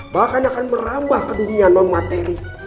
bahkan akan merambah ke dunia non materi